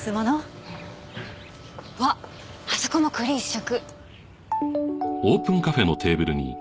うわっあそこも栗一色！